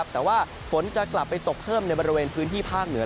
แต่ว่าฝนจะกลับไปตกเพิ่มในบริเวณพื้นที่ภาคเหนือ